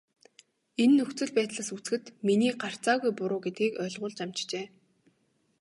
Энэ нөхцөл байдлаас үзэхэд миний гарцаагүй буруу гэдгийг ойлгуулж амжжээ.